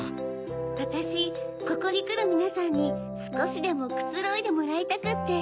わたしここにくるみなさんにすこしでもくつろいでもらいたくって。